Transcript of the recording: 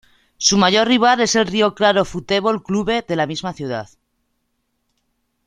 Su mayor rival es el Rio Claro Futebol Clube de la misma ciudad.